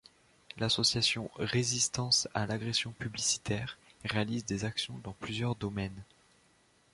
L’association Résistance à l'agression publicitaire réalise des actions dans plusieurs domaines.